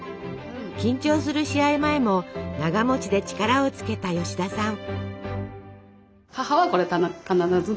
緊張する試合前もながで力をつけた吉田さん。